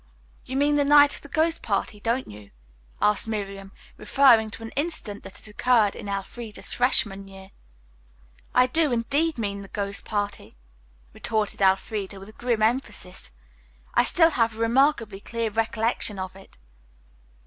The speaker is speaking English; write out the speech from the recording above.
"You mean the night of the ghost party, don't you?" asked Miriam, referring to an incident that had occurred in Elfreda's freshman year. "I do, indeed, mean the ghost party," retorted Elfreda with grim emphasis. "I still have a remarkably clear recollection of it."